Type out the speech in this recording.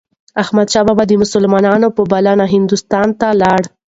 احمدشاه بابا د مسلمانانو په بلنه هندوستان ته لاړ.